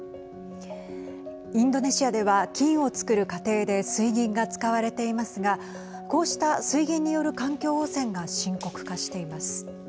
インドネシアでは金をつくる過程で水銀が使われていますがこうした水銀による環境汚染が深刻化しています。